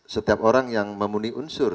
setiap orang yang memenuhi unsur